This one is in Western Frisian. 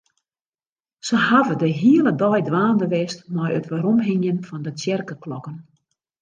Se hawwe de hiele dei dwaande west mei it weromhingjen fan de tsjerkeklokken.